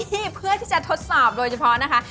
เพื่อที่จะทดสอบโดยเฉพาะนะคะ